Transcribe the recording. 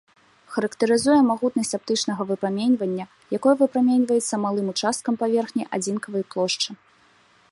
Характарызуе магутнасць аптычнага выпраменьвання, якое выпраменьваецца малым участкам паверхні адзінкавай плошчы.